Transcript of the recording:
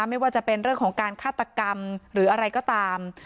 ไม่ว่าจะเป็นเรื่องของการฆาตกรรมหรืออะไรก็ตาม